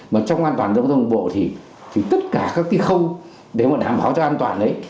mà trong an toàn giao thông đường bộ thì tất cả các cái khâu để mà đảm bảo cho an toàn đấy